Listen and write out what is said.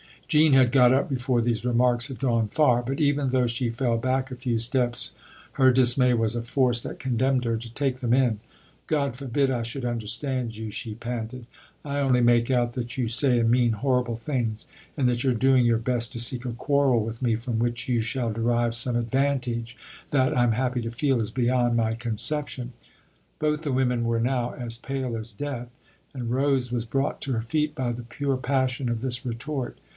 Jean had got up before these remarks had gone far, but even though she fell back a few steps her dismay was a force that condemned her to take them in. "God forbid I should understand you," she panted ; "I only make out that you say and mean horrible things and that you're doing your best to seek a quarrel with me from which you shall derive some advantage that, I'm happy to feel, is beyond my conception." Both the women*were now as pale as death, and Rose was brought to her feet by the pure passion of this retort.